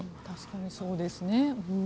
確かにそうですね。